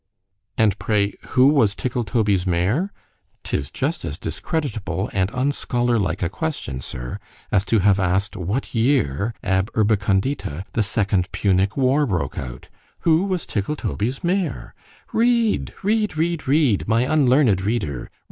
— —And pray who was Tickletoby's mare?—'tis just as discreditable and unscholar like a question, Sir, as to have asked what year (ab. urb. con.) the second Punic war broke out.—Who was Tickletoby's mare!—Read, read, read, read, my unlearned reader!